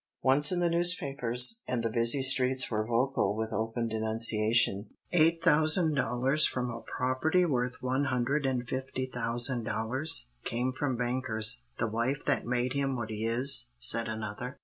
Once in the newspapers, and the busy streets were vocal with open denunciation. "Eight thousand dollars from a property worth one hundred and fifty thousand dollars!" came from bankers. "The wife that made him what he is," said another.